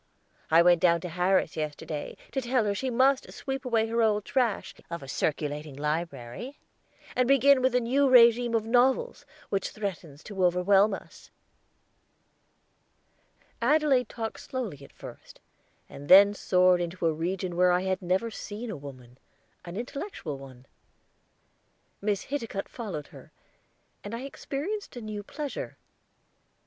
I went down to Harris yesterday to tell her she must sweep away her old trash of a circulating library, and begin with the New Regime of Novels, which threatens to overwhelm us." Adelaide talked slowly at first, and then soared into a region where I had never seen a woman an intellectual one. Miss Hiticutt followed her, and I experienced a new pleasure.